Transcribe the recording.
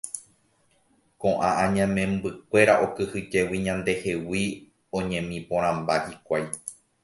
Ko'ã añamembykuéra okyhyjégui ñandehegui oñemiporãmba hikuái.